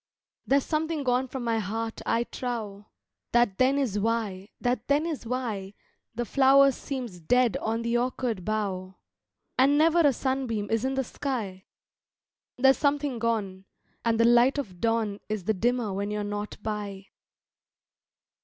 There's something gone from my heart I trow! That then is why, that then is why The flower seems dead on the orchard bough, And never a sunbeam is in the sky. There's something gone, And the light of the dawn Is the dimmer when you're not by.